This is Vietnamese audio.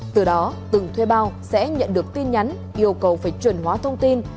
từ đó từng thuê bao sẽ nhận được tin nhắn yêu cầu phải chuẩn hóa thông tin